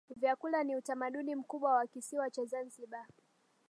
Vyakula ni utamaduni mkubwa wa kisiwa cha Zanzibar